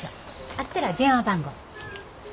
あったら電話番号。